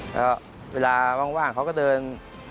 แล้วเวลาว่างเขาก็เดิน